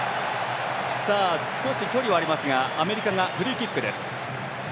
少し距離はありますがアメリカがフリーキックです。